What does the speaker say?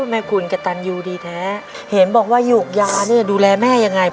แม่คุณกระตันยูดีแท้เห็นบอกว่าหยูกยาเนี่ยดูแลแม่ยังไง